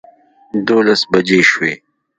دولس بجې شوې.